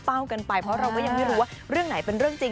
กันไปเพราะเราก็ยังไม่รู้ว่าเรื่องไหนเป็นเรื่องจริง